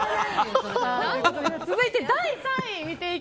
続いて第３位。